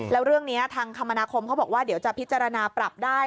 แล้วเรื่องนี้ทางคมนาคมเขาบอกว่าเดี๋ยวจะพิจารณาปรับได้